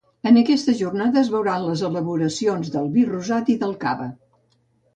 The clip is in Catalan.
En aquesta jornada es veuran les elaboracions del vi rosat i del cava.